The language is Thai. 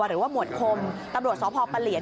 หรือว่าหมวดคมตำรวจสพปะเหลียน